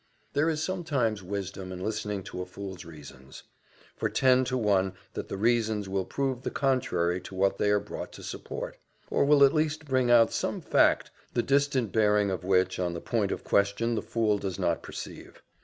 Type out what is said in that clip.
There is sometimes wisdom in listening to a fool's reasons; for ten to one that the reasons will prove the contrary to what they are brought to support, or will at least bring out some fact, the distant bearing of which on the point of question the fool does not perceive.